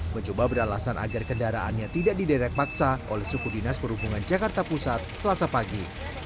mencoba beralasan agar kendaraannya tidak diderek paksa oleh suku dinas perhubungan jakarta pusat selasa pagi